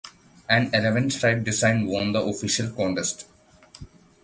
An eleven-striped design won the official contest.